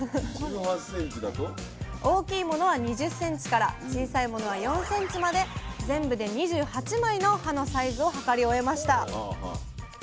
大きいものは２０ｃｍから小さいものは４ｃｍまで全部で２８枚の葉のサイズを測り終えました。